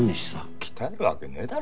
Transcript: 鍛えるわけねえだろ！